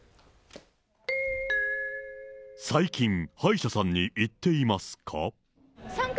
最近、歯医者さんに行っていますか？